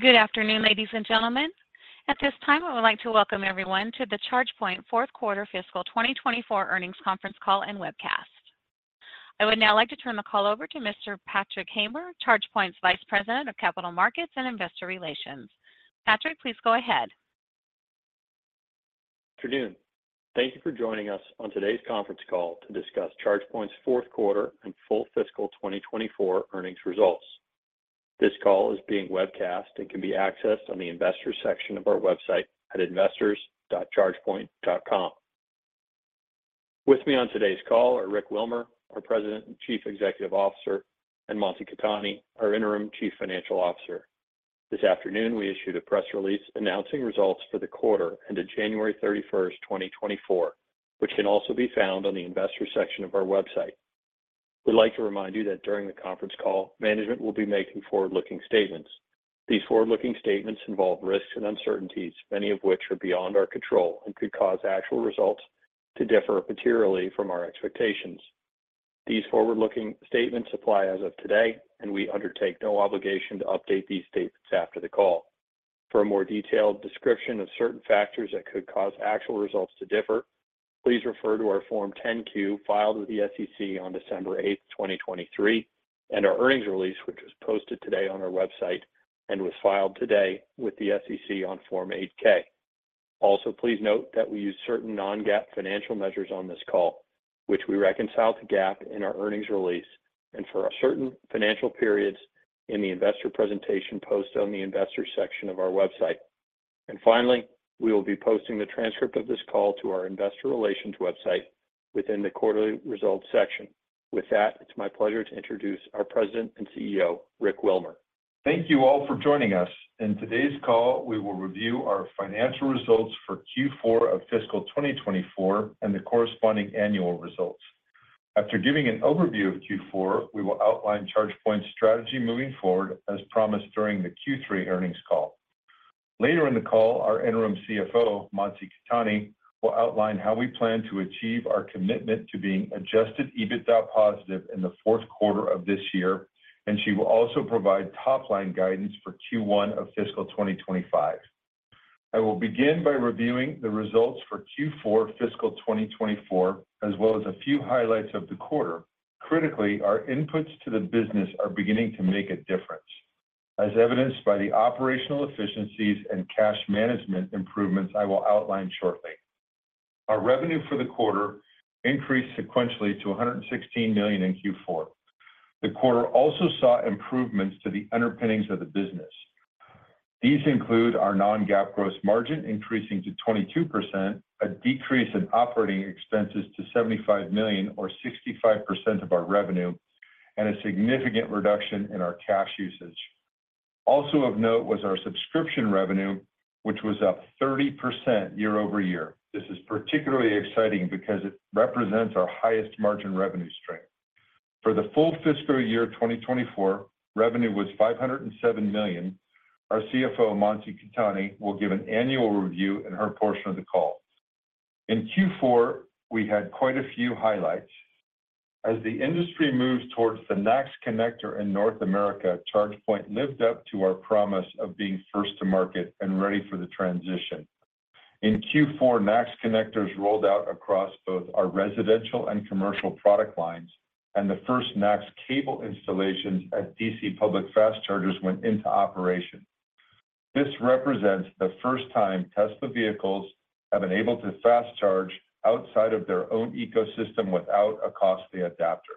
Good afternoon, ladies and gentlemen. At this time, I would like to welcome everyone to the ChargePoint fourth quarter fiscal 2024 earnings conference call and webcast. I would now like to turn the call over to Mr. Patrick Hamer, ChargePoint's Vice President of Capital Markets and Investor Relations. Patrick, please go ahead. Afternoon. Thank you for joining us on today's conference call to discuss ChargePoint's fourth quarter and full fiscal 2024 earnings results. This call is being webcast and can be accessed on the Investors section of our website at investors.chargepoint.com. With me on today's call are Rick Wilmer, our President and Chief Executive Officer, and Mansi Khetani, our Interim Chief Financial Officer. This afternoon, we issued a press release announcing results for the quarter ended January 31st, 2024, which can also be found on the Investors section of our website. We'd like to remind you that during the conference call, management will be making forward-looking statements. These forward-looking statements involve risks and uncertainties, many of which are beyond our control and could cause actual results to differ materially from our expectations. These forward-looking statements apply as of today, and we undertake no obligation to update these statements after the call. For a more detailed description of certain factors that could cause actual results to differ, please refer to our Form 10-Q filed with the SEC on December 8th, 2023, and our earnings release, which was posted today on our website and was filed today with the SEC on Form 8-K. Also, please note that we use certain non-GAAP financial measures on this call, which we reconcile to GAAP in our earnings release and for certain financial periods in the investor presentation posted on the Investors section of our website. Finally, we will be posting the transcript of this call to our Investor Relations website within the Quarterly Results section. With that, it's my pleasure to introduce our President and CEO, Rick Wilmer. Thank you all for joining us. In today's call, we will review our financial results for Q4 of fiscal 2024 and the corresponding annual results. After giving an overview of Q4, we will outline ChargePoint's strategy moving forward, as promised during the Q3 earnings call. Later in the call, our Interim CFO, Mansi Khetani, will outline how we plan to achieve our commitment to being adjusted EBITDA positive in the fourth quarter of this year, and she will also provide top-line guidance for Q1 of fiscal 2025. I will begin by reviewing the results for Q4 fiscal 2024, as well as a few highlights of the quarter. Critically, our inputs to the business are beginning to make a difference, as evidenced by the operational efficiencies and cash management improvements I will outline shortly. Our revenue for the quarter increased sequentially to $116 million in Q4. The quarter also saw improvements to the underpinnings of the business. These include our non-GAAP gross margin increasing to 22%, a decrease in operating expenses to $75 million, or 65% of our revenue, and a significant reduction in our cash usage. Also of note was our subscription revenue, which was up 30% year-over-year. This is particularly exciting because it represents our highest margin revenue strength. For the full fiscal year 2024, revenue was $507 million. Our CFO, Mansi Khetani, will give an annual review in her portion of the call. In Q4, we had quite a few highlights. As the industry moved towards the NACS connector in North America, ChargePoint lived up to our promise of being first to market and ready for the transition. In Q4, NACS connectors rolled out across both our residential and commercial product lines, and the first NACS cable installations at DC public fast chargers went into operation. This represents the first time Tesla vehicles have been able to fast charge outside of their own ecosystem without a costly adapter.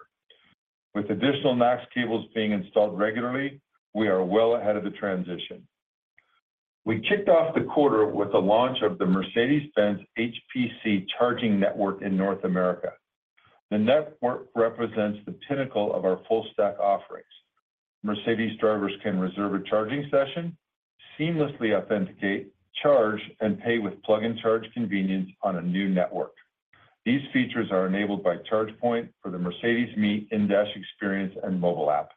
With additional NACS cables being installed regularly, we are well ahead of the transition. We kicked off the quarter with the launch of the Mercedes-Benz HPC Charging Network in North America. The network represents the pinnacle of our full-stack offerings. Mercedes drivers can reserve a charging session, seamlessly authenticate, charge, and pay with plug-and-charge convenience on a new network. These features are enabled by ChargePoint for the Mercedes Me in-dash experience and mobile app.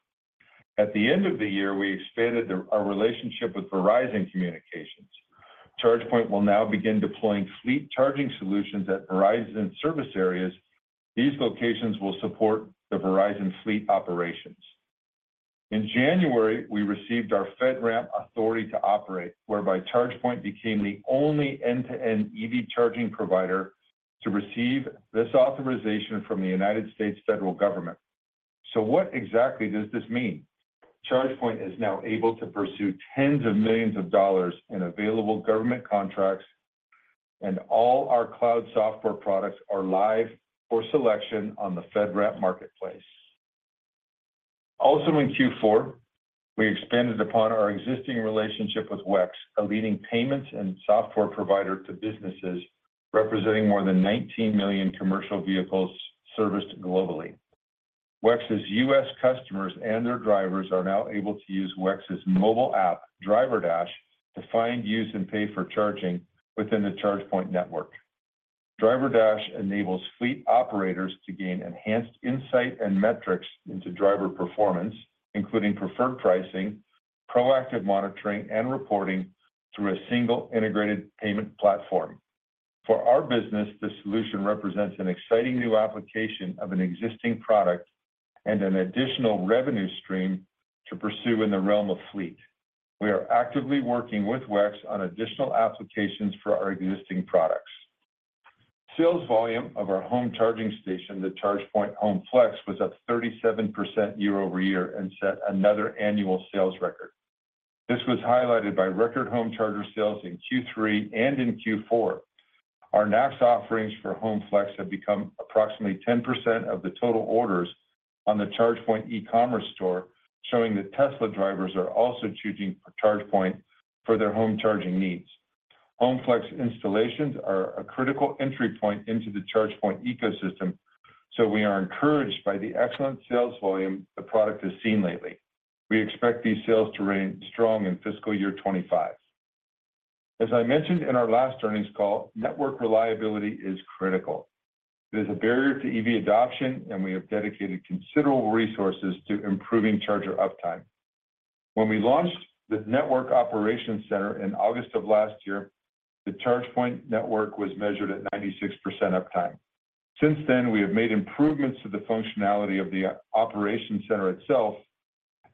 At the end of the year, we expanded our relationship with Verizon Communications. ChargePoint will now begin deploying fleet charging solutions at Verizon service areas. These locations will support the Verizon fleet operations. In January, we received our FedRAMP authority to operate, whereby ChargePoint became the only end-to-end EV charging provider to receive this authorization from the United States Federal Government. So what exactly does this mean? ChargePoint is now able to pursue $ tens of millions in available government contracts, and all our cloud software products are live for selection on the FedRAMP marketplace. Also in Q4, we expanded upon our existing relationship with WEX, a leading payments and software provider to businesses representing more than 19 million commercial vehicles serviced globally. WEX's U.S. customers and their drivers are now able to use WEX's mobile app, DriverDash, to find, use, and pay for charging within the ChargePoint network. DriverDash enables fleet operators to gain enhanced insight and metrics into driver performance, including preferred pricing, proactive monitoring, and reporting through a single integrated payment platform. For our business, the solution represents an exciting new application of an existing product and an additional revenue stream to pursue in the realm of fleet. We are actively working with WEX on additional applications for our existing products. Sales volume of our home charging station, the ChargePoint Home Flex, was up 37% year-over-year and set another annual sales record. This was highlighted by record home charger sales in Q3 and in Q4. Our NACS offerings for Home Flex have become approximately 10% of the total orders on the ChargePoint e-commerce store, showing that Tesla drivers are also choosing ChargePoint for their home charging needs. Home Flex installations are a critical entry point into the ChargePoint ecosystem, so we are encouraged by the excellent sales volume the product has seen lately. We expect these sales to remain strong in fiscal year 2025. As I mentioned in our last earnings call, network reliability is critical. It is a barrier to EV adoption, and we have dedicated considerable resources to improving charger uptime. When we launched the network operations center in August of last year, the ChargePoint network was measured at 96% uptime. Since then, we have made improvements to the functionality of the operations center itself,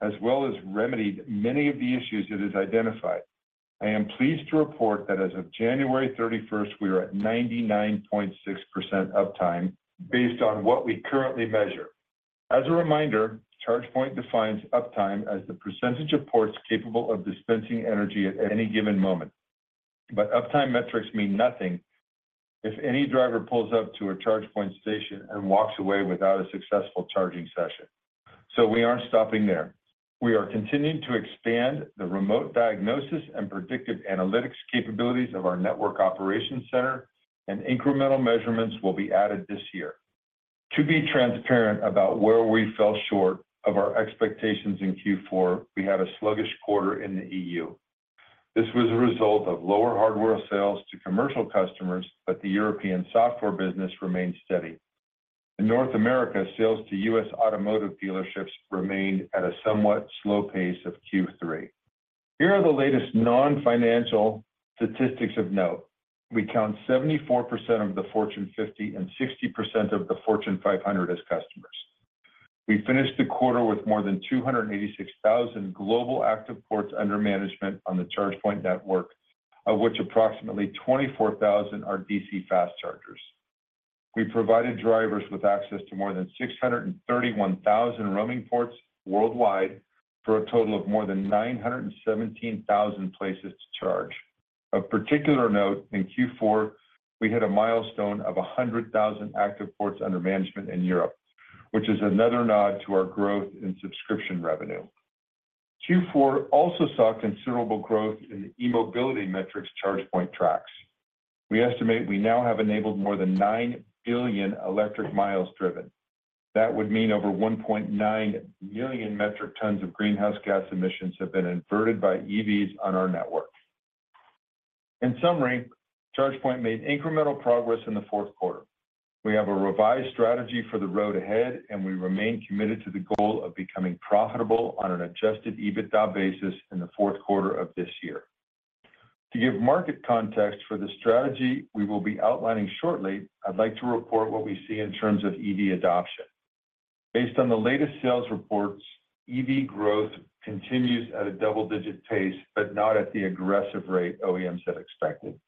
as well as remedied many of the issues it has identified. I am pleased to report that as of January 31st, we are at 99.6% uptime based on what we currently measure. As a reminder, ChargePoint defines uptime as the percentage of ports capable of dispensing energy at any given moment. But uptime metrics mean nothing if any driver pulls up to a ChargePoint station and walks away without a successful charging session. So we aren't stopping there. We are continuing to expand the remote diagnosis and predictive analytics capabilities of our network operations center, and incremental measurements will be added this year. To be transparent about where we fell short of our expectations in Q4, we had a sluggish quarter in the E.U. This was a result of lower hardware sales to commercial customers, but the European software business remained steady. In North America, sales to U.S. automotive dealerships remained at a somewhat slow pace of Q3. Here are the latest non-financial statistics of note. We count 74% of the Fortune 50 and 60% of the Fortune 500 as customers. We finished the quarter with more than 286,000 global active ports under management on the ChargePoint network, of which approximately 24,000 are DC fast chargers. We provided drivers with access to more than 631,000 roaming ports worldwide for a total of more than 917,000 places to charge. Of particular note, in Q4, we hit a milestone of 100,000 active ports under management in Europe, which is another nod to our growth in subscription revenue. Q4 also saw considerable growth in the e-mobility metrics ChargePoint tracks. We estimate we now have enabled more than 9 billion electric miles driven. That would mean over 1.9 million metric tons of greenhouse gas emissions have been inverted by EVs on our network. In summary, ChargePoint made incremental progress in the fourth quarter. We have a revised strategy for the road ahead, and we remain committed to the goal of becoming profitable on an adjusted EBITDA basis in the fourth quarter of this year. To give market context for the strategy we will be outlining shortly, I'd like to report what we see in terms of EV adoption. Based on the latest sales reports, EV growth continues at a double-digit pace but not at the aggressive rate OEMs had expected.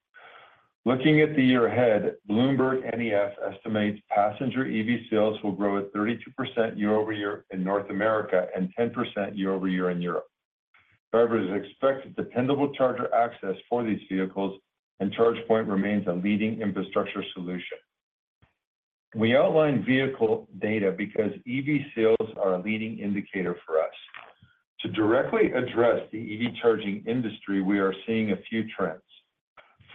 Looking at the year ahead, Bloomberg NEF estimates passenger EV sales will grow at 32% year-over-year in North America and 10% year-over-year in Europe. Drivers expect dependable charger access for these vehicles, and ChargePoint remains a leading infrastructure solution. We outline vehicle data because EV sales are a leading indicator for us. To directly address the EV charging industry, we are seeing a few trends.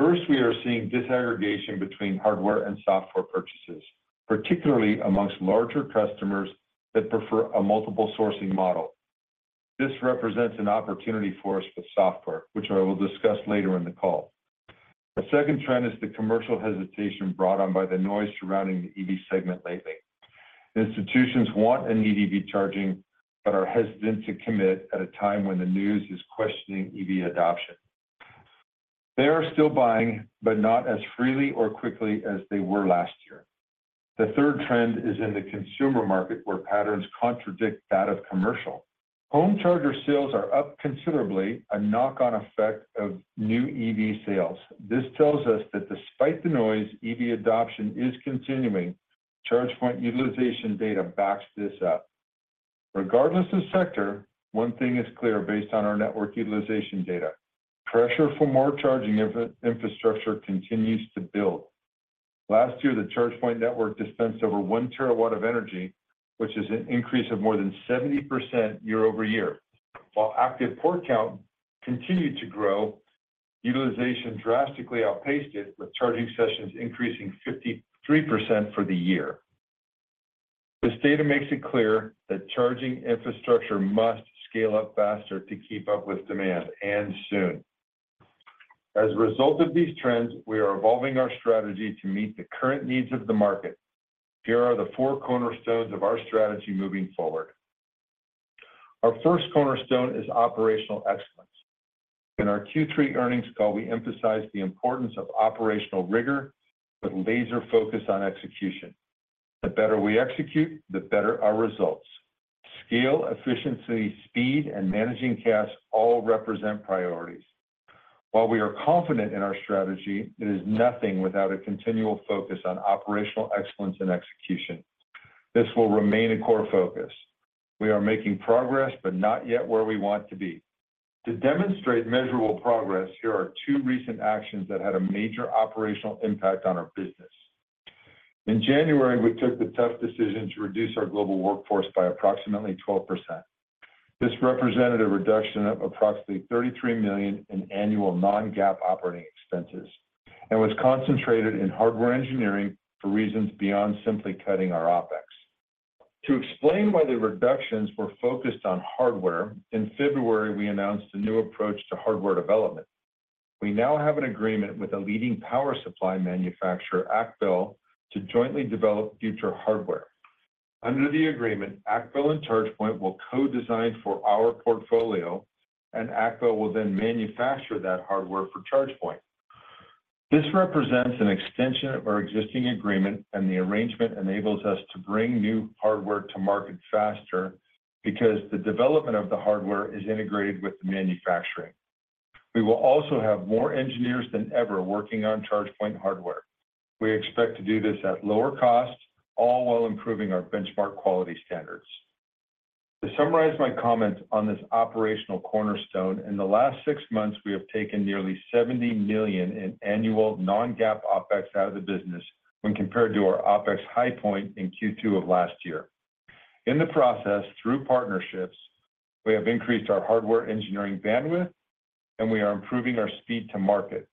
First, we are seeing disaggregation between hardware and software purchases, particularly among larger customers that prefer a multiple-sourcing model. This represents an opportunity for us with software, which I will discuss later in the call. A second trend is the commercial hesitation brought on by the noise surrounding the EV segment lately. Institutions want and need EV charging but are hesitant to commit at a time when the news is questioning EV adoption. They are still buying but not as freely or quickly as they were last year. The third trend is in the consumer market, where patterns contradict that of commercial. Home charger sales are up considerably, a knock-on effect of new EV sales. This tells us that despite the noise, EV adoption is continuing. ChargePoint utilization data backs this up. Regardless of sector, one thing is clear based on our network utilization data: pressure for more charging infrastructure continues to build. Last year, the ChargePoint network dispensed over one terawatt of energy, which is an increase of more than 70% year-over-year. While active port count continued to grow, utilization drastically outpaced it, with charging sessions increasing 53% for the year. This data makes it clear that charging infrastructure must scale up faster to keep up with demand, and soon. As a result of these trends, we are evolving our strategy to meet the current needs of the market. Here are the four cornerstones of our strategy moving forward. Our first cornerstone is operational excellence. In our Q3 earnings call, we emphasized the importance of operational rigor with laser focus on execution. The better we execute, the better our results. Scale, efficiency, speed, and managing cash all represent priorities. While we are confident in our strategy, it is nothing without a continual focus on operational excellence and execution. This will remain a core focus. We are making progress but not yet where we want to be. To demonstrate measurable progress, here are two recent actions that had a major operational impact on our business. In January, we took the tough decision to reduce our global workforce by approximately 12%. This represented a reduction of approximately $33 million in annual non-GAAP operating expenses and was concentrated in hardware engineering for reasons beyond simply cutting our OpEx. To explain why the reductions were focused on hardware, in February, we announced a new approach to hardware development. We now have an agreement with a leading power supply manufacturer, AcBel, to jointly develop future hardware. Under the agreement, AcBel and ChargePoint will co-design for our portfolio, and AcBel will then manufacture that hardware for ChargePoint. This represents an extension of our existing agreement, and the arrangement enables us to bring new hardware to market faster because the development of the hardware is integrated with the manufacturing. We will also have more engineers than ever working on ChargePoint hardware. We expect to do this at lower cost, all while improving our benchmark quality standards. To summarize my comments on this operational cornerstone, in the last six months, we have taken nearly $70 million in annual non-GAAP OPEX out of the business when compared to our OPEX high point in Q2 of last year. In the process, through partnerships, we have increased our hardware engineering bandwidth, and we are improving our speed to market.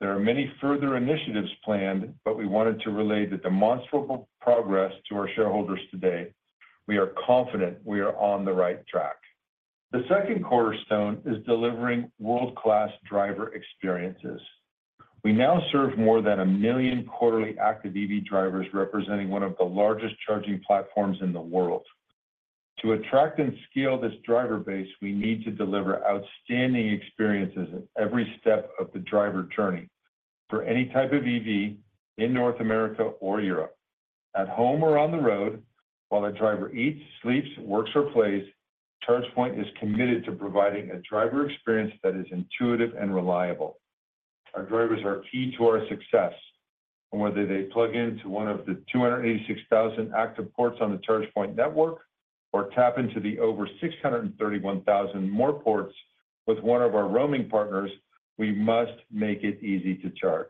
There are many further initiatives planned, but we wanted to relay the demonstrable progress to our shareholders today. We are confident we are on the right track. The second cornerstone is delivering world-class driver experiences. We now serve more than 1 million quarterly active EV drivers representing one of the largest charging platforms in the world. To attract and scale this driver base, we need to deliver outstanding experiences at every step of the driver journey for any type of EV in North America or Europe. At home or on the road, while a driver eats, sleeps, works, or plays, ChargePoint is committed to providing a driver experience that is intuitive and reliable. Our drivers are key to our success, and whether they plug into one of the 286,000 active ports on the ChargePoint network or tap into the over 631,000 more ports with one of our roaming partners, we must make it easy to charge.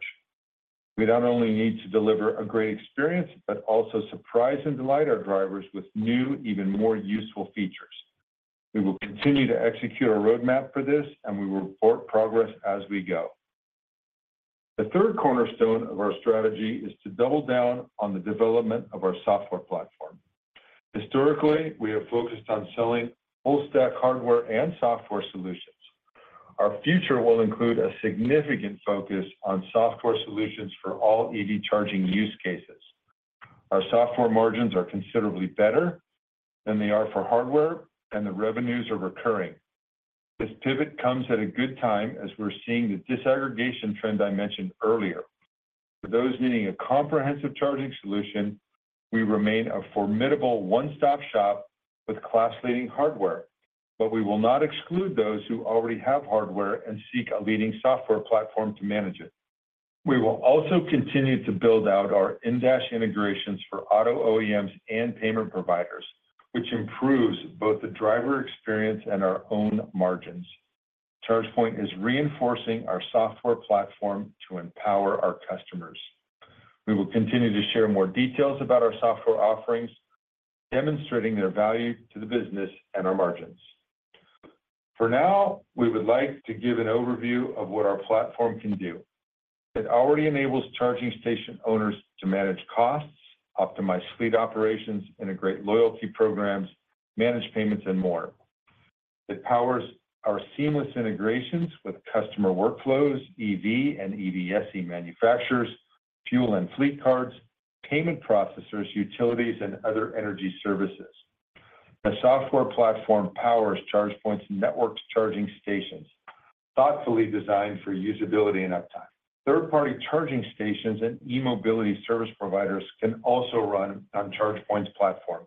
We not only need to deliver a great experience but also surprise and delight our drivers with new, even more useful features. We will continue to execute our roadmap for this, and we will report progress as we go. The third cornerstone of our strategy is to double down on the development of our software platform. Historically, we have focused on selling full-stack hardware and software solutions. Our future will include a significant focus on software solutions for all EV charging use cases. Our software margins are considerably better than they are for hardware, and the revenues are recurring. This pivot comes at a good time as we're seeing the disaggregation trend I mentioned earlier. For those needing a comprehensive charging solution, we remain a formidable one-stop shop with class-leading hardware, but we will not exclude those who already have hardware and seek a leading software platform to manage it. We will also continue to build out our in-integrations for auto OEMs and payment providers, which improves both the driver experience and our own margins. ChargePoint is reinforcing our software platform to empower our customers. We will continue to share more details about our software offerings, demonstrating their value to the business and our margins. For now, we would like to give an overview of what our platform can do. It already enables charging station owners to manage costs, optimize fleet operations, integrate loyalty programs, manage payments, and more. It powers our seamless integrations with customer workflows, EV and EVSE manufacturers, fuel and fleet cards, payment processors, utilities, and other energy services. The software platform powers ChargePoint's network charging stations, thoughtfully designed for usability and uptime. Third-party charging stations and e-mobility service providers can also run on ChargePoint's platform,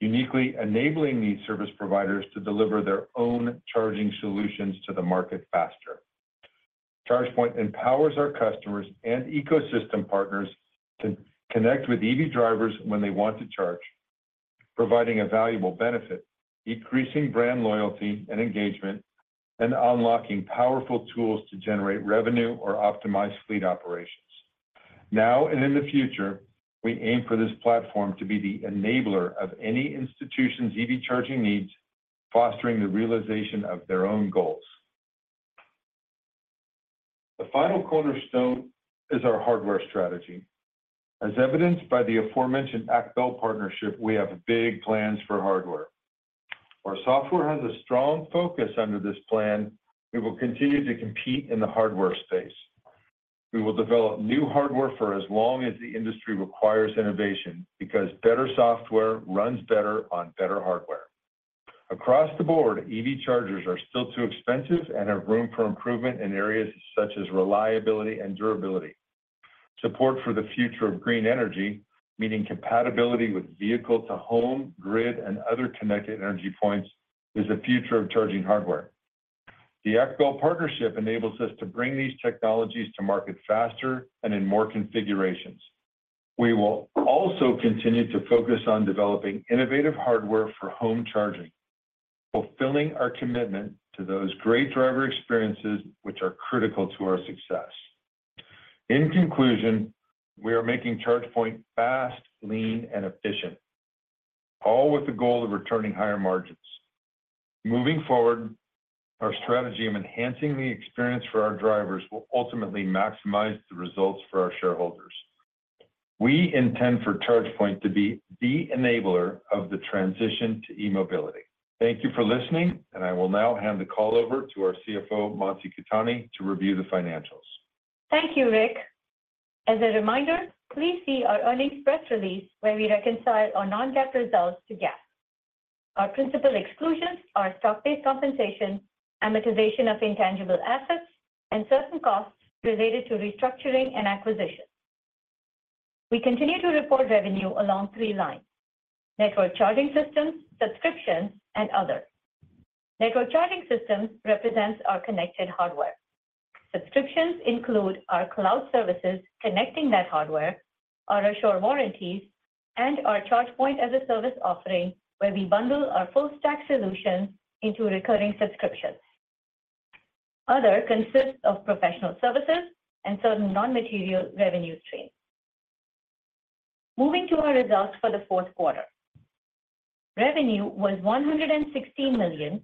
uniquely enabling these service providers to deliver their own charging solutions to the market faster. ChargePoint empowers our customers and ecosystem partners to connect with EV drivers when they want to charge, providing a valuable benefit, increasing brand loyalty and engagement, and unlocking powerful tools to generate revenue or optimize fleet operations. Now and in the future, we aim for this platform to be the enabler of any institution's EV charging needs, fostering the realization of their own goals. The final cornerstone is our hardware strategy. As evidenced by the aforementioned AcBel partnership, we have big plans for hardware. While software has a strong focus under this plan, we will continue to compete in the hardware space. We will develop new hardware for as long as the industry requires innovation because better software runs better on better hardware. Across the board, EV chargers are still too expensive and have room for improvement in areas such as reliability and durability. Support for the future of green energy, meaning compatibility with vehicle-to-home, grid, and other connected energy points, is the future of charging hardware. The AcBel partnership enables us to bring these technologies to market faster and in more configurations. We will also continue to focus on developing innovative hardware for home charging, fulfilling our commitment to those great driver experiences which are critical to our success. In conclusion, we are making ChargePoint fast, lean, and efficient, all with the goal of returning higher margins. Moving forward, our strategy of enhancing the experience for our drivers will ultimately maximize the results for our shareholders. We intend for ChargePoint to be the enabler of the transition to e-mobility. Thank you for listening, and I will now hand the call over to our CFO, Mansi Khetani, to review the financials. Thank you, Rick. As a reminder, please see our earnings press release where we reconcile our non-GAAP results to GAAP. Our principal exclusions are stock-based compensation, amortization of intangible assets, and certain costs related to restructuring and acquisition. We continue to report revenue along three lines: network charging systems, subscriptions, and others. Network charging systems represent our connected hardware. Subscriptions include our cloud services connecting that hardware, our assured warranties, and our ChargePoint as a Service offering where we bundle our full-stack solutions into recurring subscriptions. Other consists of professional services and certain non-material revenue streams. Moving to our results for the fourth quarter, revenue was $116 million,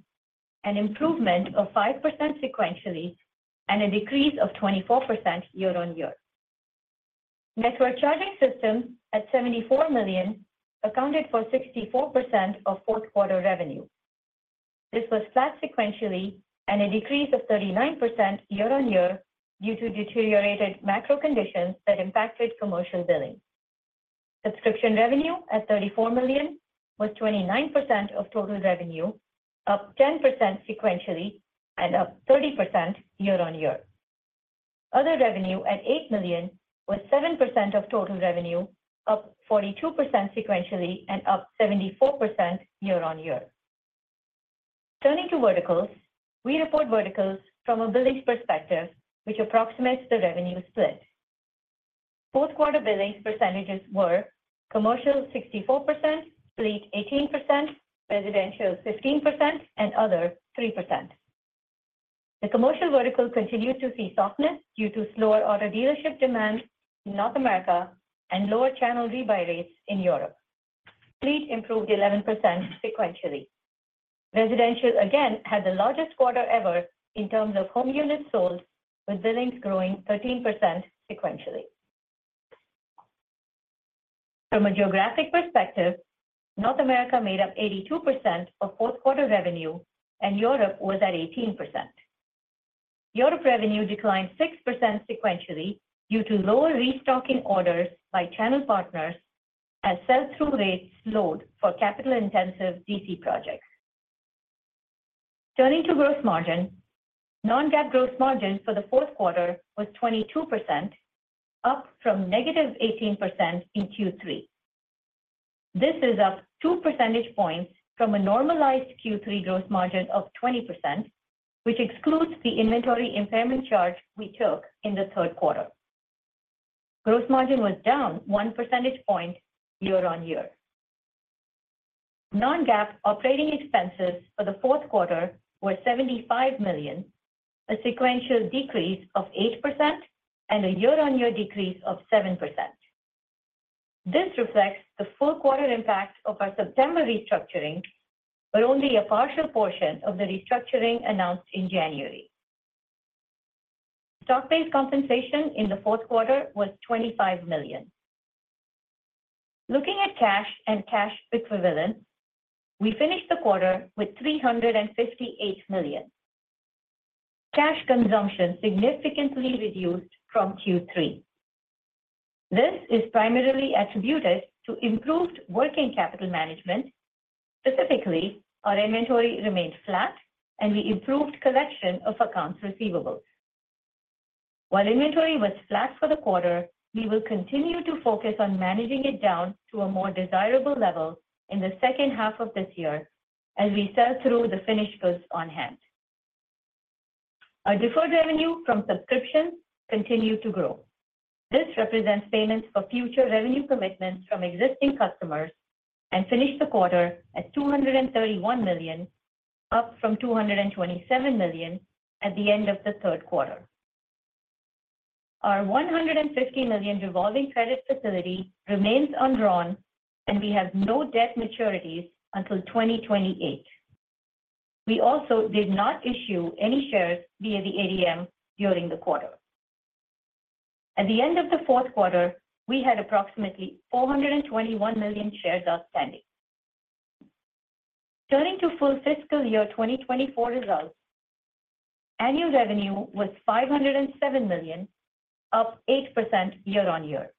an improvement of 5% sequentially, and a decrease of 24% year-on-year. Network charging systems at $74 million accounted for 64% of fourth-quarter revenue. This was flat sequentially and a decrease of 39% year-over-year due to deteriorated macro conditions that impacted commercial billing. Subscription revenue at $34 million was 29% of total revenue, up 10% sequentially, and up 30% year-over-year. Other revenue at $8 million was 7% of total revenue, up 42% sequentially, and up 74% year-over-year. Turning to verticals, we report verticals from a billings perspective, which approximates the revenue split. Fourth-quarter billings percentages were commercial 64%, fleet 18%, residential 15%, and other 3%. The commercial vertical continued to see softness due to slower auto dealership demand in North America and lower channel rebuy rates in Europe. Fleet improved 11% sequentially. Residential, again, had the largest quarter ever in terms of home units sold, with billings growing 13% sequentially. From a geographic perspective, North America made up 82% of fourth-quarter revenue, and Europe was at 18%. Europe revenue declined 6% sequentially due to lower restocking orders by channel partners as sell-through rates slowed for capital-intensive DC projects. Turning to gross margin, non-GAAP gross margin for the fourth quarter was 22%, up from negative 18% in Q3. This is up two percentage points from a normalized Q3 gross margin of 20%, which excludes the inventory impairment charge we took in the third quarter. Gross margin was down one percentage point year-on-year. Non-GAAP operating expenses for the fourth quarter were $75 million, a sequential decrease of 8%, and a year-on-year decrease of 7%. This reflects the full-quarter impact of our September restructuring but only a partial portion of the restructuring announced in January. Stock-based compensation in the fourth quarter was $25 million. Looking at cash and cash equivalents, we finished the quarter with $358 million. Cash consumption significantly reduced from Q3. This is primarily attributed to improved working capital management. Specifically, our inventory remained flat, and we improved collection of accounts receivables. While inventory was flat for the quarter, we will continue to focus on managing it down to a more desirable level in the second half of this year as we sell through the finished goods on hand. Our deferred revenue from subscriptions continued to grow. This represents payments for future revenue commitments from existing customers and finished the quarter at $231 million, up from $227 million at the end of the third quarter. Our $150 million revolving credit facility remains undrawn, and we have no debt maturities until 2028. We also did not issue any shares via the ADM during the quarter. At the end of the fourth quarter, we had approximately 421 million shares outstanding. Turning to full fiscal year 2024 results, annual revenue was $507 million, up 8% year-over-year.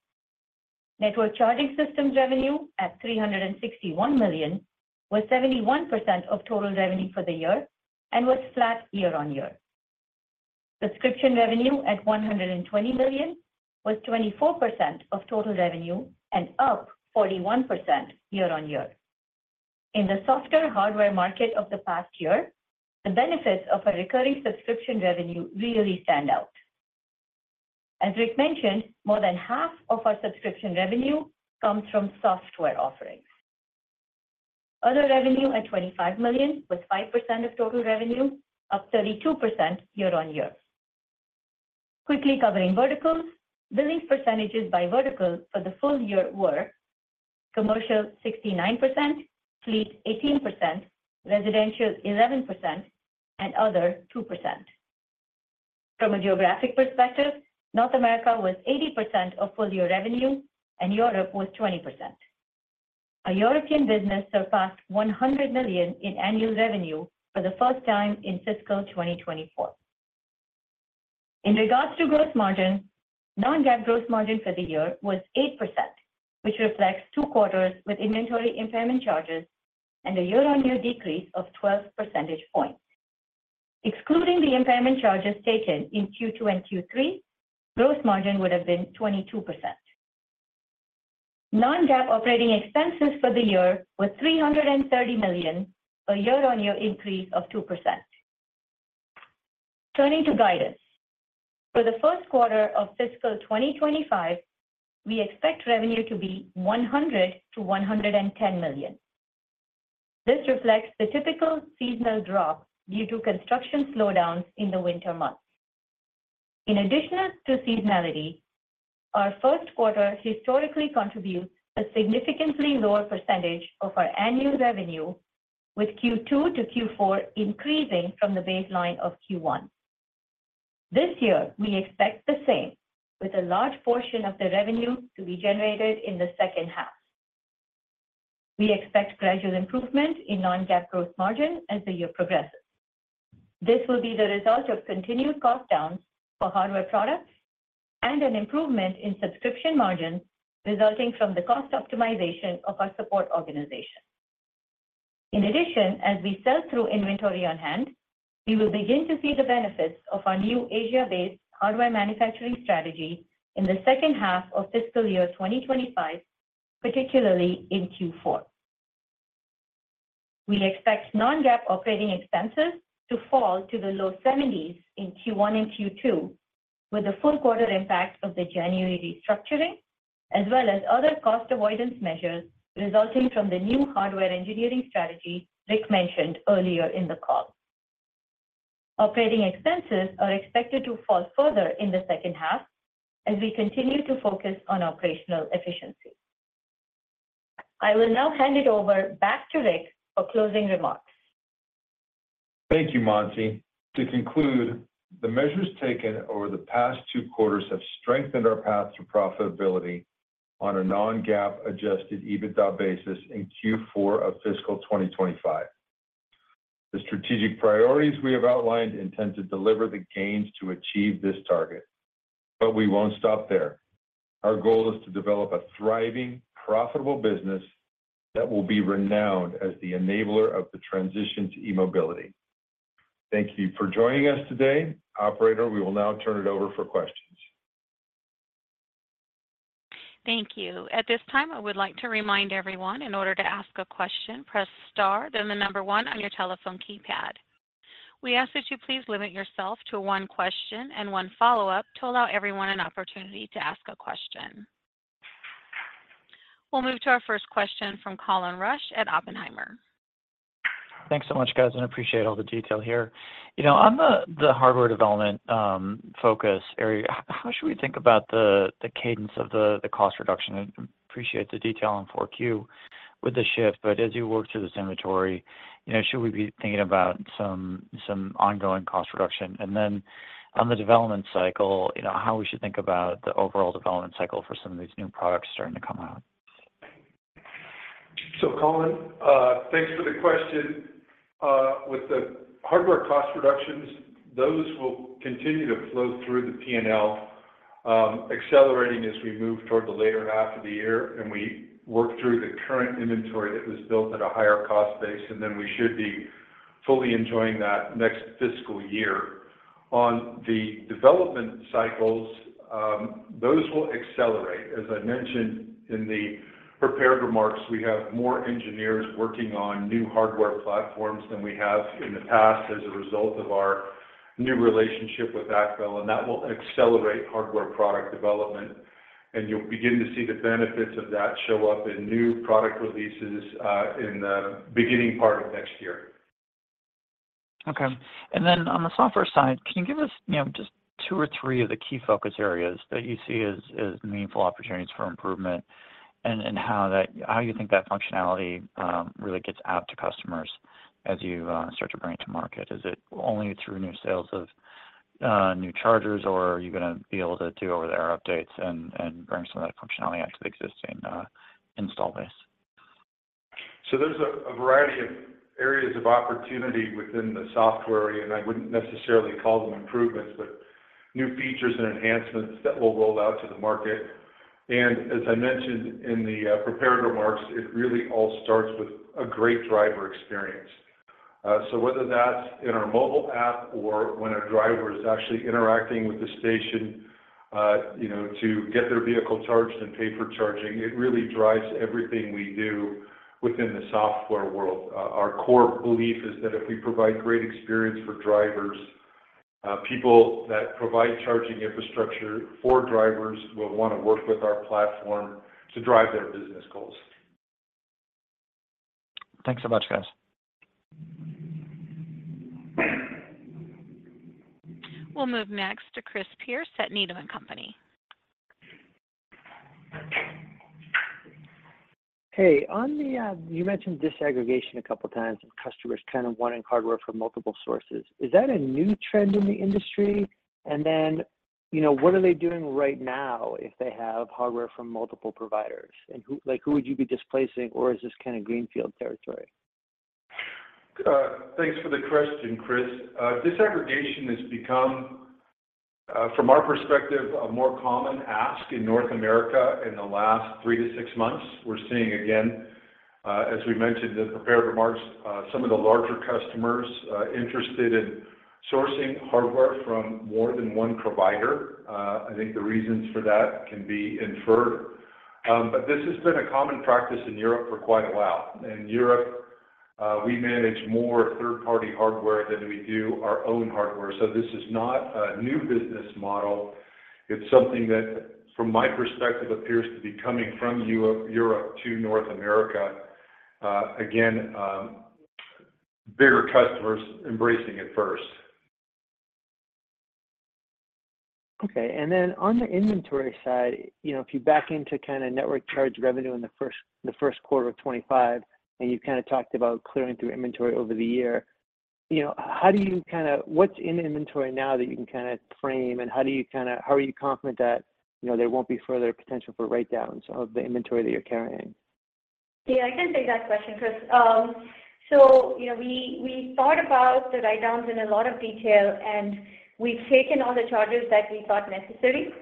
Network charging systems revenue at $361 million was 71% of total revenue for the year and was flat year-over-year. Subscription revenue at $120 million was 24% of total revenue and up 41% year-over-year. In the software/hardware market of the past year, the benefits of our recurring subscription revenue really stand out. As Rick mentioned, more than half of our subscription revenue comes from software offerings. Other revenue at $25 million was 5% of total revenue, up 32% year-over-year. Quickly covering verticals, billings percentages by vertical for the full year were commercial 69%, fleet 18%, residential 11%, and other 2%. From a geographic perspective, North America was 80% of full-year revenue, and Europe was 20%. Our European business surpassed $100 million in annual revenue for the first time in fiscal 2024. In regards to gross margin, non-GAAP gross margin for the year was 8%, which reflects two quarters with inventory impairment charges and a year-on-year decrease of 12 percentage points. Excluding the impairment charges taken in Q2 and Q3, gross margin would have been 22%. Non-GAAP operating expenses for the year were $330 million, a year-on-year increase of 2%. Turning to guidance, for the first quarter of fiscal 2025, we expect revenue to be $100-$110 million. This reflects the typical seasonal drop due to construction slowdowns in the winter months. In addition to seasonality, our first quarter historically contributes a significantly lower percentage of our annual revenue, with Q2 to Q4 increasing from the baseline of Q1. This year, we expect the same, with a large portion of the revenue to be generated in the second half. We expect gradual improvement in non-GAAP gross margin as the year progresses. This will be the result of continued cost downs for hardware products and an improvement in subscription margins resulting from the cost optimization of our support organization. In addition, as we sell through inventory on hand, we will begin to see the benefits of our new Asia-based hardware manufacturing strategy in the second half of fiscal year 2025, particularly in Q4. We expect non-GAAP operating expenses to fall to the low 70s in Q1 and Q2 with the full-quarter impact of the January restructuring as well as other cost avoidance measures resulting from the new hardware engineering strategy Rick mentioned earlier in the call. Operating expenses are expected to fall further in the second half as we continue to focus on operational efficiency. I will now hand it over back to Rick for closing remarks. Thank you, Mansi. To conclude, the measures taken over the past two quarters have strengthened our path to profitability on a non-GAAP adjusted EBITDA basis in Q4 of fiscal 2025. The strategic priorities we have outlined intend to deliver the gains to achieve this target, but we won't stop there. Our goal is to develop a thriving, profitable business that will be renowned as the enabler of the transition to e-mobility. Thank you for joining us today. Operator, we will now turn it over for questions. Thank you. At this time, I would like to remind everyone, in order to ask a question, press star, then the number one on your telephone keypad. We ask that you please limit yourself to one question and one follow-up to allow everyone an opportunity to ask a question. We'll move to our first question from Colin Rusch at Oppenheimer. Thanks so much, guys. I appreciate all the detail here. On the hardware development focus area, how should we think about the cadence of the cost reduction? I appreciate the detail on 4Q with the shift, but as you work through this inventory, should we be thinking about some ongoing cost reduction? And then on the development cycle, how we should think about the overall development cycle for some of these new products starting to come out? So, Colin, thanks for the question. With the hardware cost reductions, those will continue to flow through the P&L, accelerating as we move toward the later half of the year and we work through the current inventory that was built at a higher cost base, and then we should be fully enjoying that next fiscal year. On the development cycles, those will accelerate. As I mentioned in the prepared remarks, we have more engineers working on new hardware platforms than we have in the past as a result of our new relationship with AcBel, and that will accelerate hardware product development. And you'll begin to see the benefits of that show up in new product releases in the beginning part of next year. Okay. And then on the software side, can you give us just two or three of the key focus areas that you see as meaningful opportunities for improvement and how you think that functionality really gets out to customers as you start to bring it to market? Is it only through new sales of new chargers, or are you going to be able to do over-the-air updates and bring some of that functionality out to the existing install base? So there's a variety of areas of opportunity within the software, and I wouldn't necessarily call them improvements, but new features and enhancements that will roll out to the market. And as I mentioned in the prepared remarks, it really all starts with a great driver experience. So whether that's in our mobile app or when a driver is actually interacting with the station to get their vehicle charged and pay for charging, it really drives everything we do within the software world. Our core belief is that if we provide great experience for drivers, people that provide charging infrastructure for drivers will want to work with our platform to drive their business goals. Thanks so much, guys. We'll move next to Chris Pierce at Needham & Company. Hey, you mentioned disaggregation a couple of times and customers kind of wanting hardware from multiple sources. Is that a new trend in the industry? And then what are they doing right now if they have hardware from multiple providers? And who would you be displacing, or is this kind of greenfield territory? Thanks for the question, Chris. Disaggregation has become, from our perspective, a more common ask in North America in the last 3-6 months. We're seeing again, as we mentioned in the prepared remarks, some of the larger customers interested in sourcing hardware from more than one provider. I think the reasons for that can be inferred. But this has been a common practice in Europe for quite a while. In Europe, we manage more third-party hardware than we do our own hardware. So this is not a new business model. It's something that, from my perspective, appears to be coming from Europe to North America. Again, bigger customers embracing it first. Okay. And then on the inventory side, if you back into kind of network charge revenue in the first quarter of 2025 and you kind of talked about clearing through inventory over the year, how do you kind of what's in inventory now that you can kind of frame, and how do you kind of how are you confident that there won't be further potential for write-downs of the inventory that you're carrying? Yeah, I can take that question, Chris. So we thought about the write-downs in a lot of detail, and we've taken all the charges that we thought necessary.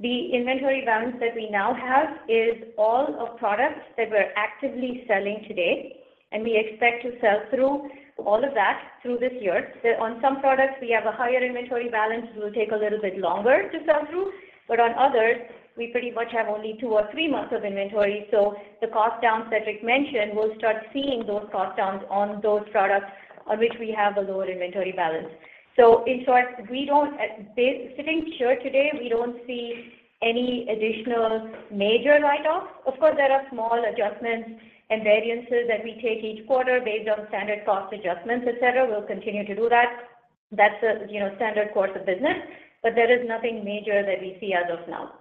The inventory balance that we now have is all of products that we're actively selling today, and we expect to sell through all of that through this year. On some products, we have a higher inventory balance. It will take a little bit longer to sell through. But on others, we pretty much have only two or three months of inventory. So the cost downs that Rick mentioned, we'll start seeing those cost downs on those products on which we have a lower inventory balance. So in short, sitting here today, we don't see any additional major write-offs. Of course, there are small adjustments and variances that we take each quarter based on standard cost adjustments, etc. We'll continue to do that. That's the standard course of business. But there is nothing major that we see as of now.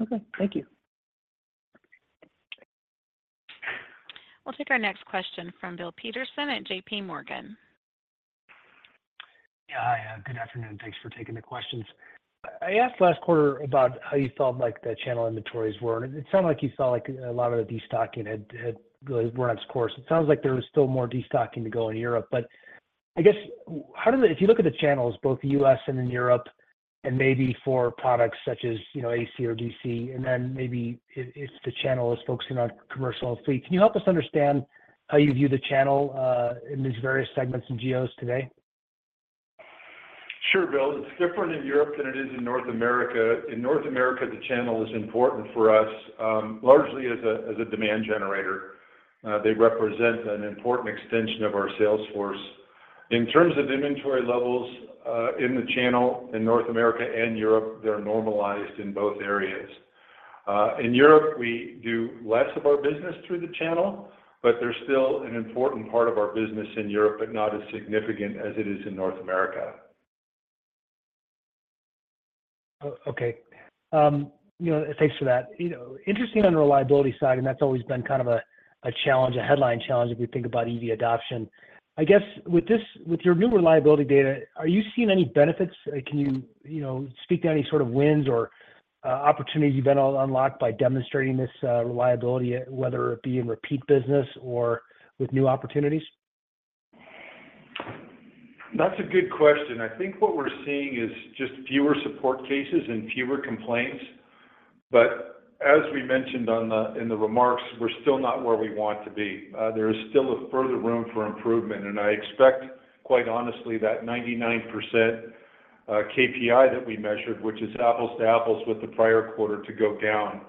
Okay. Thank you. We'll take our next question from Bill Peterson at JPMorgan. Yeah, hi. Good afternoon. Thanks for taking the questions. I asked last quarter about how you felt the channel inventories were, and it sounded like you felt like a lot of the destocking really hadn't run its course. It sounds like there was still more destocking to go in Europe. But I guess, if you look at the channels, both the U.S. and in Europe, and maybe for products such as AC or DC, and then maybe if the channel is focusing on commercial and fleet, can you help us understand how you view the channel in these various segments and geos today? Sure, Bill. It's different in Europe than it is in North America. In North America, the channel is important for us largely as a demand generator. They represent an important extension of our sales force. In terms of inventory levels in the channel in North America and Europe, they're normalized in both areas. In Europe, we do less of our business through the channel, but they're still an important part of our business in Europe, but not as significant as it is in North America. Okay. Thanks for that. Interesting on the reliability side, and that's always been kind of a challenge, a headline challenge if we think about EV adoption. I guess with your new reliability data, are you seeing any benefits? Can you speak to any sort of wins or opportunities you've unlocked by demonstrating this reliability, whether it be in repeat business or with new opportunities? That's a good question. I think what we're seeing is just fewer support cases and fewer complaints. But as we mentioned in the remarks, we're still not where we want to be. There is still a further room for improvement. And I expect, quite honestly, that 99% KPI that we measured, which is apples to apples with the prior quarter, to go down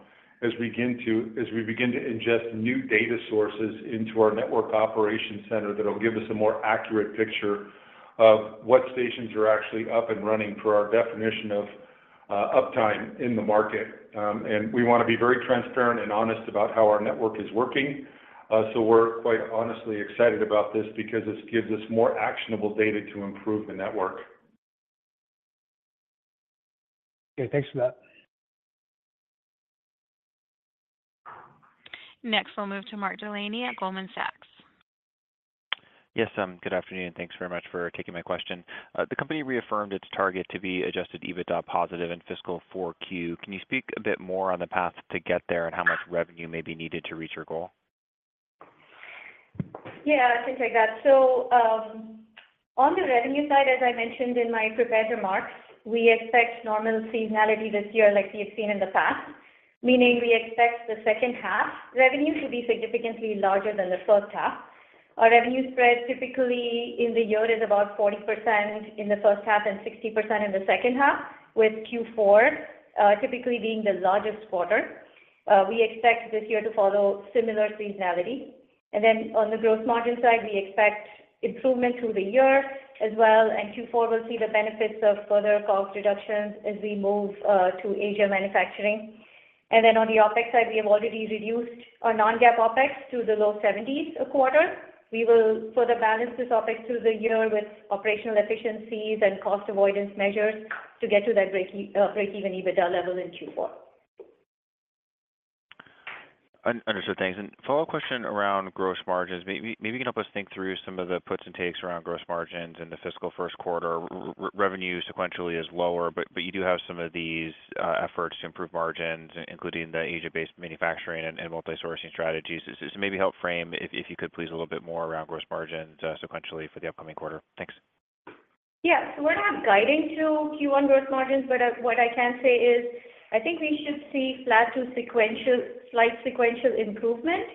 as we begin to ingest new data sources into our network operations center that will give us a more accurate picture of what stations are actually up and running for our definition of uptime in the market. And we want to be very transparent and honest about how our network is working. So we're quite honestly excited about this because this gives us more actionable data to improve the network. Okay. Thanks for that. Next, we'll move to Mark Delaney at Goldman Sachs. Yes, good afternoon. Thanks very much for taking my question. The company reaffirmed its target to be adjusted EBITDA positive in fiscal 4Q. Can you speak a bit more on the path to get there and how much revenue may be needed to reach your goal? Yeah, I can take that. So on the revenue side, as I mentioned in my prepared remarks, we expect normal seasonality this year like we have seen in the past, meaning we expect the second half revenue to be significantly larger than the first half. Our revenue spread typically in the year is about 40% in the first half and 60% in the second half, with Q4 typically being the largest quarter. We expect this year to follow similar seasonality. And then on the gross margin side, we expect improvement through the year as well. And Q4 will see the benefits of further cost reductions as we move to Asia manufacturing. And then on the OpEx side, we have already reduced our non-GAAP OpEx to the low 70s a quarter. We will further balance this OpEx through the year with operational efficiencies and cost avoidance measures to get to that break-even EBITDA level in Q4. Understood, thanks. Follow-up question around gross margins. Maybe you can help us think through some of the puts and takes around gross margins in the fiscal first quarter. Revenue sequentially is lower, but you do have some of these efforts to improve margins, including the Asia-based manufacturing and multi-sourcing strategies. Maybe help frame, if you could please, a little bit more around gross margins sequentially for the upcoming quarter. Thanks. Yeah. So we're not guiding to Q1 gross margins, but what I can say is I think we should see slight sequential improvement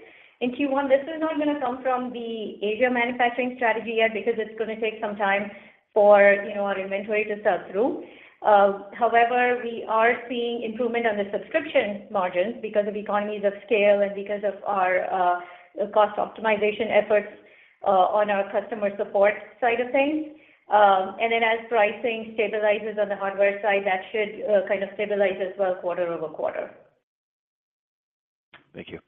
in Q1. This is not going to come from the Asia manufacturing strategy yet because it's going to take some time for our inventory to sell through. However, we are seeing improvement on the subscription margins because of economies of scale and because of our cost optimization efforts on our customer support side of things. And then as pricing stabilizes on the hardware side, that should kind of stabilize as well quarter-over-quarter. Thank you.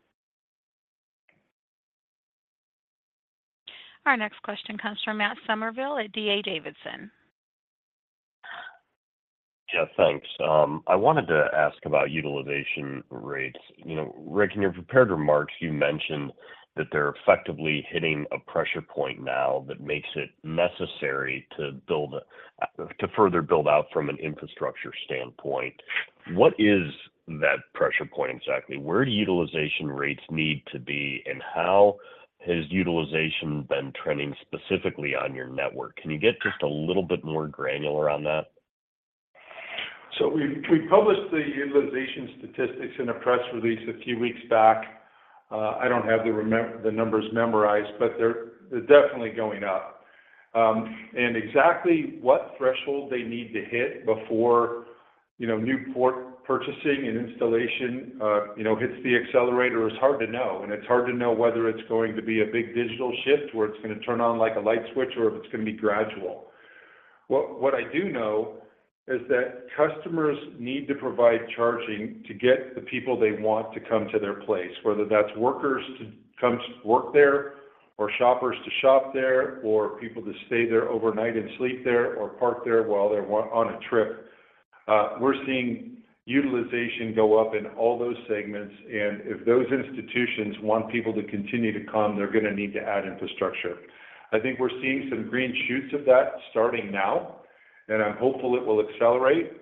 Our next question comes from Matt Summerville at D.A. Davidson. Yeah, thanks. I wanted to ask about utilization rates. Rick, in your prepared remarks, you mentioned that they're effectively hitting a pressure point now that makes it necessary to further build out from an infrastructure standpoint. What is that pressure point exactly? Where do utilization rates need to be, and how has utilization been trending specifically on your network? Can you get just a little bit more granular on that? So we published the utilization statistics in a press release a few weeks back. I don't have the numbers memorized, but they're definitely going up. Exactly what threshold they need to hit before new purchasing and installation hits the accelerator is hard to know. And it's hard to know whether it's going to be a big digital shift where it's going to turn on like a light switch or if it's going to be gradual. What I do know is that customers need to provide charging to get the people they want to come to their place, whether that's workers to come work there or shoppers to shop there or people to stay there overnight and sleep there or park there while they're on a trip. We're seeing utilization go up in all those segments. If those institutions want people to continue to come, they're going to need to add infrastructure. I think we're seeing some green shoots of that starting now, and I'm hopeful it will accelerate.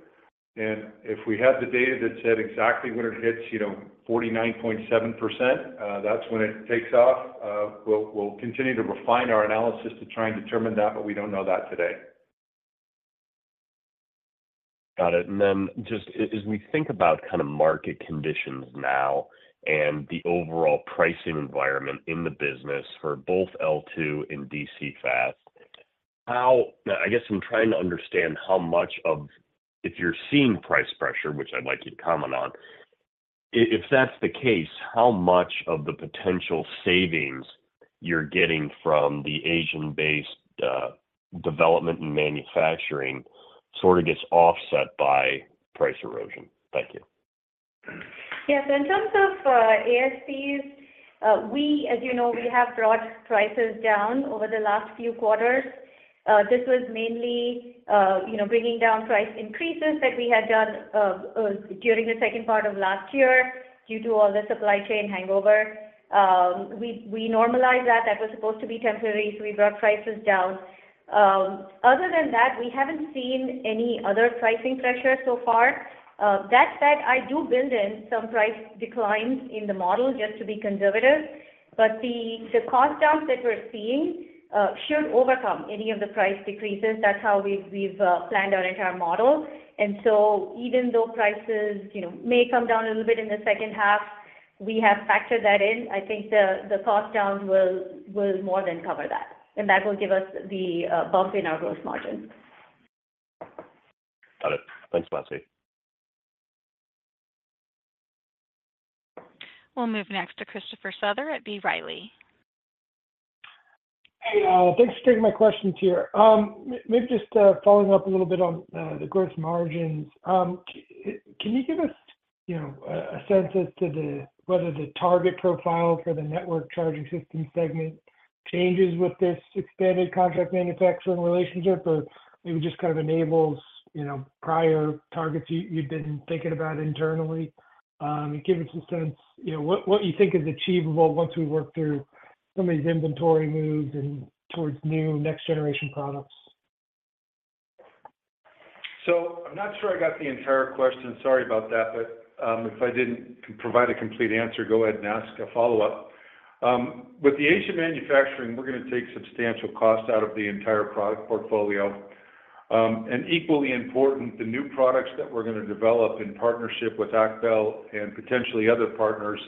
If we had the data that said exactly when it hits 49.7%, that's when it takes off. We'll continue to refine our analysis to try and determine that, but we don't know that today. Got it. Then just as we think about kind of market conditions now and the overall pricing environment in the business for both L2 and DC fast, I guess I'm trying to understand how much, if you're seeing price pressure, which I'd like you to comment on, if that's the case, how much of the potential savings you're getting from the Asian-based development and manufacturing sort of gets offset by price erosion? Thank you. Yeah. So in terms of ASCs, as you know, we have brought prices down over the last few quarters. This was mainly bringing down price increases that we had done during the second part of last year due to all the supply chain hangover. We normalized that. That was supposed to be temporary, so we brought prices down. Other than that, we haven't seen any other pricing pressure so far. That said, I do build in some price declines in the model just to be conservative. But the cost downs that we're seeing should overcome any of the price decreases. That's how we've planned our entire model. And so even though prices may come down a little bit in the second half, we have factored that in. I think the cost downs will more than cover that, and that will give us the bump in our gross margins. Got it. Thanks, Mansi. We'll move next to Christopher Souther at B. Riley. Hey, thanks for taking my questions here. Maybe just following up a little bit on the gross margins. Can you give us a sense as to whether the target profile for the network charging system segment changes with this expanded contract manufacturing relationship, or maybe just kind of enables prior targets you'd been thinking about internally? Give us a sense what you think is achievable once we work through some of these inventory moves towards new next-generation products. I'm not sure I got the entire question. Sorry about that. If I didn't provide a complete answer, go ahead and ask a follow-up. With the Asian manufacturing, we're going to take substantial cost out of the entire product portfolio. And equally important, the new products that we're going to develop in partnership with AcBel and potentially other partners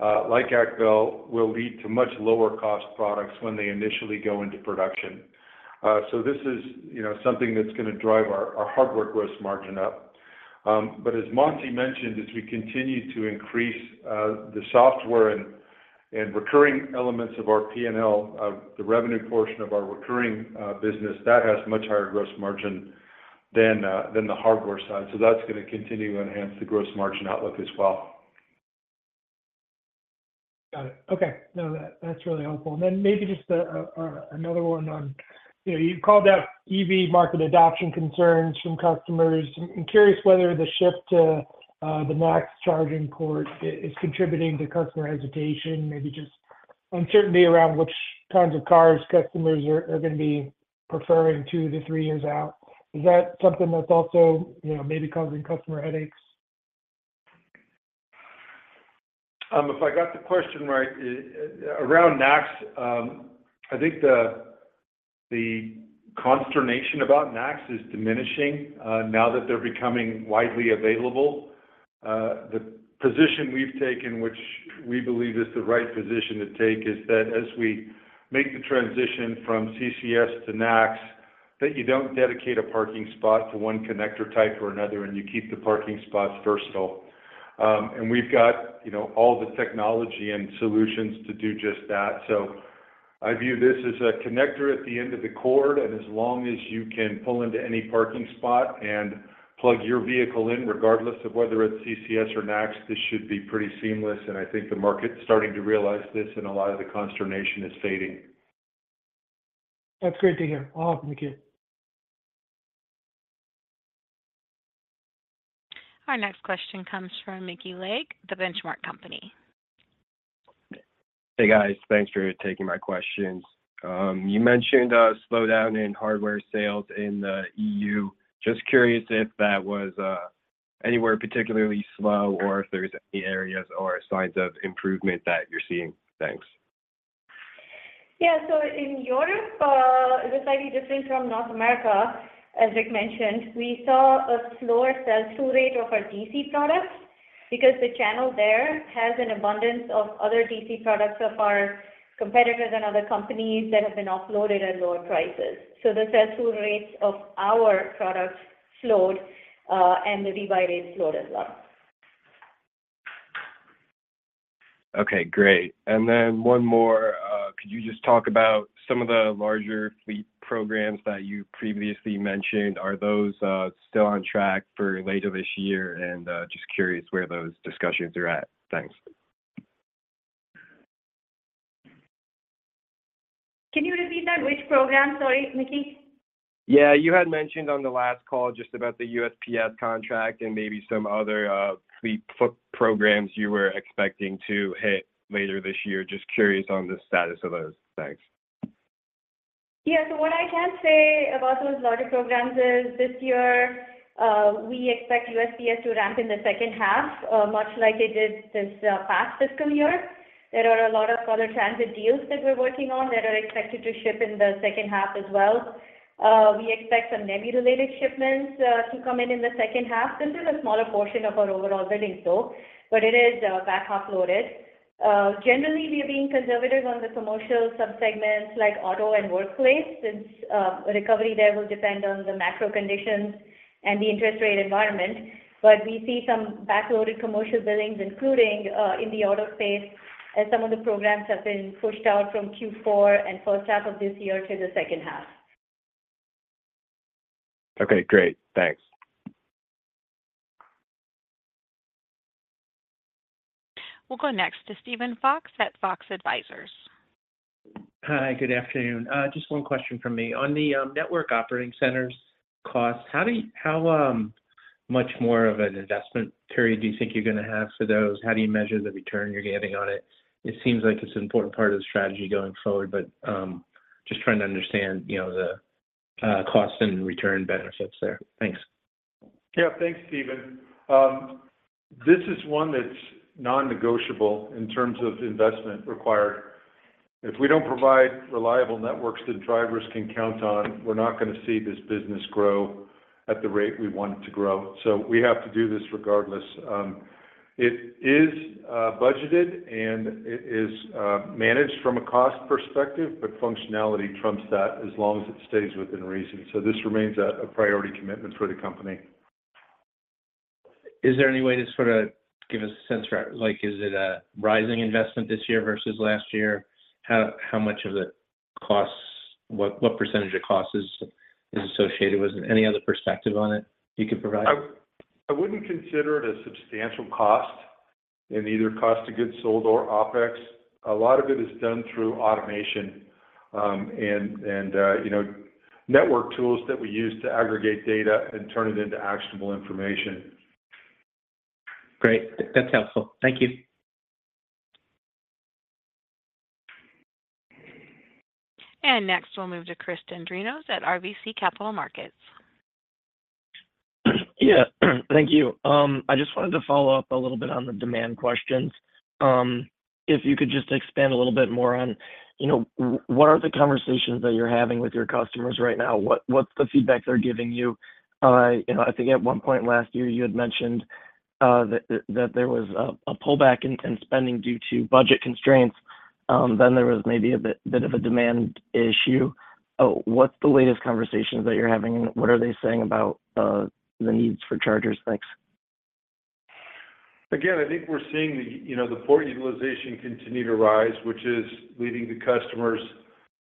like AcBel will lead to much lower-cost products when they initially go into production. This is something that's going to drive our hardware gross margin up. As Mansi mentioned, as we continue to increase the software and recurring elements of our P&L, the revenue portion of our recurring business, that has much higher gross margin than the hardware side. That's going to continue to enhance the gross margin outlook as well. Got it. Okay. No, that's really helpful. And then maybe just another one on you called out EV market adoption concerns from customers. I'm curious whether the shift to the NACS charging port is contributing to customer hesitation, maybe just uncertainty around which kinds of cars customers are going to be preferring 2-3 years out. Is that something that's also maybe causing customer headaches? If I got the question right, around NACS, I think the consternation about NACS is diminishing now that they're becoming widely available. The position we've taken, which we believe is the right position to take, is that as we make the transition from CCS to NACS, that you don't dedicate a parking spot to one connector type or another, and you keep the parking spots versatile. And we've got all the technology and solutions to do just that. So I view this as a connector at the end of the cord. And as long as you can pull into any parking spot and plug your vehicle in, regardless of whether it's CCS or NACS, this should be pretty seamless. And I think the market's starting to realize this, and a lot of the consternation is fading. That's great to hear. Awesome. Thank you. Our next question comes from Mickey Legg, The Benchmark Company. Hey, guys. Thanks for taking my questions. You mentioned a slowdown in hardware sales in the EU. Just curious if that was anywhere particularly slow or if there's any areas or signs of improvement that you're seeing. Thanks. Yeah. So in Europe, just slightly different from North America, as Rick mentioned, we saw a slower sell-through rate of our DC products because the channel there has an abundance of other DC products of our competitors and other companies that have been offloaded at lower prices. So the sell-through rates of our products flowed, and the rebuy rates flowed as well. Okay. Great. And then one more. Could you just talk about some of the larger fleet programs that you previously mentioned? Are those still on track for later this year? And just curious where those discussions are at. Thanks. Can you repeat that? Which program? Sorry, Mickey. Yeah. You had mentioned on the last call just about the USPS contract and maybe some other fleet programs you were expecting to hit later this year. Just curious on the status of those? Thanks. Yeah. So what I can say about those larger programs is this year, we expect USPS to ramp in the second half, much like it did this past fiscal year. There are a lot of other transit deals that we're working on that are expected to ship in the second half as well. We expect some net-nebulated shipments to come in in the second half. This is a smaller portion of our overall billing, though, but it is backloaded. Generally, we are being conservative on the commercial subsegments like auto and workplace since recovery there will depend on the macro conditions and the interest rate environment. But we see some backloaded commercial billings, including in the auto space, as some of the programs have been pushed out from Q4 and first half of this year to the second half. Okay. Great. Thanks. We'll go next to Steven Fox at Fox Advisors. Hi. Good afternoon. Just one question from me. On the network operating centers cost, how much more of an investment period do you think you're going to have for those? How do you measure the return you're getting on it? It seems like it's an important part of the strategy going forward, but just trying to understand the cost and return benefits there. Thanks. Yeah. Thanks, Stephen. This is one that's non-negotiable in terms of investment required. If we don't provide reliable networks that drivers can count on, we're not going to see this business grow at the rate we want it to grow. We have to do this regardless. It is budgeted, and it is managed from a cost perspective, but functionality trumps that as long as it stays within reason. This remains a priority commitment for the company. Is there any way to sort of give us a sense? Is it a rising investment this year versus last year? How much of the costs, what percentage of costs, is associated with it? Any other perspective on it you could provide? I wouldn't consider it a substantial cost in either cost of goods sold or OpEx. A lot of it is done through automation and network tools that we use to aggregate data and turn it into actionable information. Great. That's helpful. Thank you. Next, we'll move to Chris Dendrinos at RBC Capital Markets. Yeah. Thank you. I just wanted to follow up a little bit on the demand questions. If you could just expand a little bit more on what are the conversations that you're having with your customers right now? What's the feedback they're giving you? I think at one point last year, you had mentioned that there was a pullback in spending due to budget constraints. Then there was maybe a bit of a demand issue. What's the latest conversations that you're having, and what are they saying about the needs for chargers? Thanks. Again, I think we're seeing the port utilization continue to rise, which is leading to customers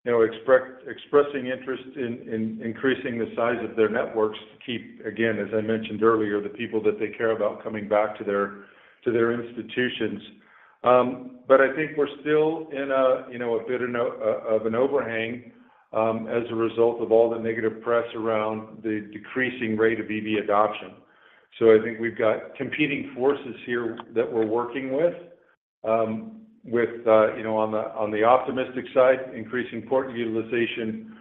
expressing interest in increasing the size of their networks to keep, again, as I mentioned earlier, the people that they care about coming back to their institutions. But I think we're still in a bit of an overhang as a result of all the negative press around the decreasing rate of EV adoption. So I think we've got competing forces here that we're working with. On the optimistic side, increasing port utilization,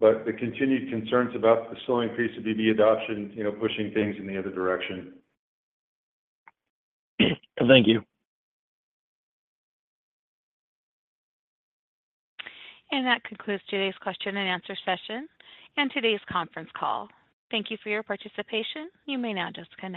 but the continued concerns about the slow increase of EV adoption pushing things in the other direction. Thank you. That concludes today's question and answer session and today's conference call. Thank you for your participation. You may now disconnect.